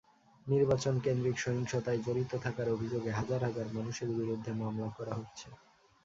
নির্বাচনকেন্দ্রিক সহিংসতায় জড়িত থাকার অভিযোগে হাজার হাজার মানুষের বিরুদ্ধে মামলা করা হচ্ছে।